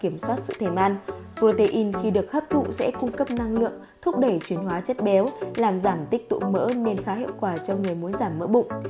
protein khi được hấp thụ sẽ cung cấp năng lượng thúc đẩy chuyến hóa chất béo làm giảm tích tụ mỡ nên khá hiệu quả cho người muốn giảm mỡ bụng